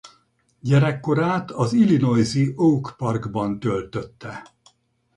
Gyerekkorát az Illinois-i Oak Park-ban töltötte.